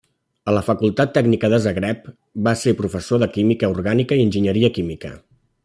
A la Facultat Tècnica de Zagreb, va ser professor de química orgànica i enginyeria química.